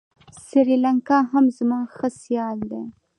سریلانکا هم زموږ ښه سیال دی.